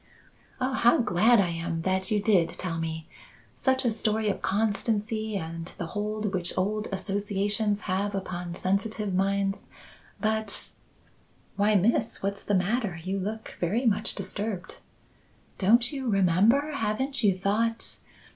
"Oh, how glad I am that you did tell me! Such a story of constancy and the hold which old associations have upon sensitive minds! But " "Why, Miss? What's the matter? You look very much disturbed." "Don't you remember? Haven't you thought?